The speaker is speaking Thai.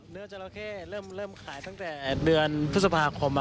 จราเข้เริ่มขายตั้งแต่เดือนพฤษภาคม